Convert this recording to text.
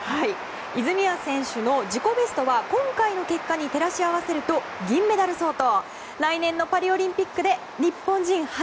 泉谷選手の自己ベストは今回の結果に照らし合わせると銀メダル相当。